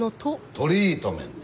「トリートメント」。